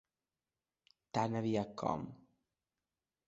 Tan aviat com.